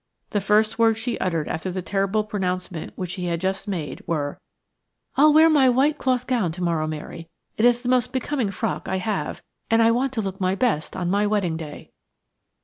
The first words she uttered after the terrible pronouncement which she had just made were: "I'll wear my white cloth gown to morrow, Mary. It is the most becoming frock I have, and I want to look my best on my wedding day."